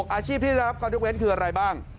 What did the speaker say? อาชีพที่ได้รับการยกเว้นคืออะไรบ้าง